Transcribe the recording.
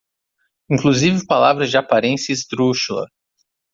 inclusive palavras de aparência esdrúxula